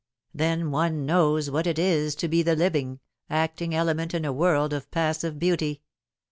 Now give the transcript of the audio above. then one knows what it is to be the living, acting element in a world of passive beauty.